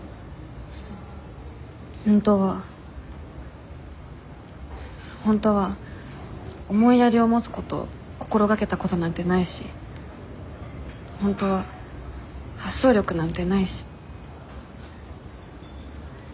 本当は本当は思いやりを持つこと心がけたことなんてないし本当は発想力なんてないし。